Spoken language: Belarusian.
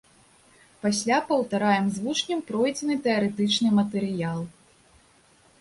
Пасля паўтараем з вучнем пройдзены тэарэтычны матэрыял.